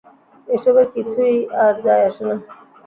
এসবের কিছুই আর যায় আসে না।